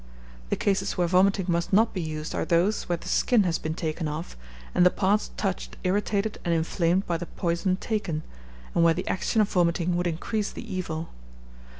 The cases where vomiting must not be used are those where the skin has been taken off, and the parts touched irritated and inflamed by the poison taken, and where the action of vomiting would increase the evil.